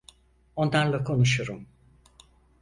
Onlarla konuşurum.